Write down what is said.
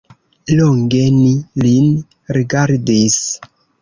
Longe ni lin rigardis.